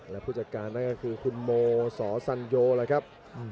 แล้วผู้จัดการก็คือคุณโมส่อสัญโยแหละครับ